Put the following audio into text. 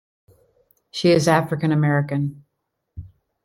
She is African-American.